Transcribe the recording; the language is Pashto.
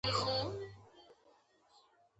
قوت ټینګاوه.